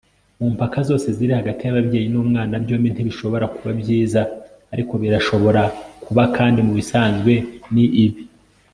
mu mpaka zose ziri hagati y'ababyeyi n'umwana, byombi ntibishobora kuba byiza, ariko birashobora kuba, kandi mubisanzwe ni bibi